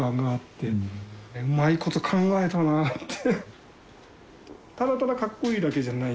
うまいこと考えたなぁって。